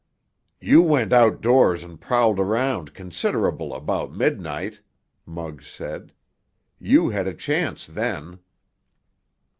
"You went outdoors and prowled around considerable about midnight," Muggs said. "You had a chance then."